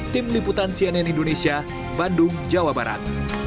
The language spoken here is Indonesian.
tim liputan cnn indonesia bandung jawa barat